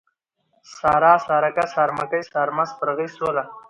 سارا ، سارکه ، سارمکۍ ، سارمه ، سپرغۍ ، سوله